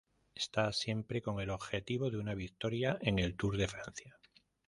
Está siempre con el objetivo de una victoria en el Tour de Francia.